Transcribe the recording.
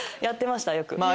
やってましたよく。